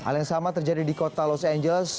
hal yang sama terjadi di kota los angeles